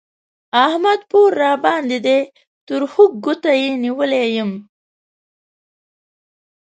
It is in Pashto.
احمد پور راباندې دی؛ تر خوږ ګوته يې نيولی يم